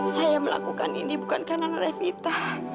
saya melakukan ini bukan karena revita